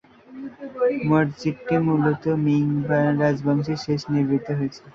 মসজিদটি মূলত মিং রাজবংশের শেষদিকে নির্মিত হয়েছিল।